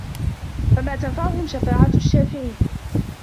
فَما تَنفَعُهُم شَفاعَةُ الشّافِعينَ